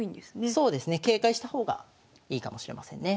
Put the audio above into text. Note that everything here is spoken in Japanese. そうですね警戒した方がいいかもしれませんね。